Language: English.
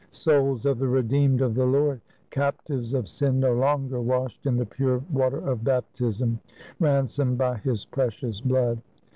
souls of the redeemed of the Lord! Captives of sin no longer, washed in the pure water of Baptism, ransomed by His precious Blood!"